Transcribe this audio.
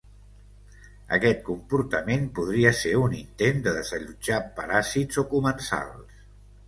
Aquest comportament podria ser un intent de desallotjar paràsits o comensals.